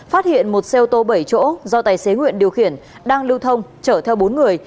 phát hiện một xe ô tô bảy chỗ do tài xế nguyễn điều khiển đang lưu thông chở theo bốn người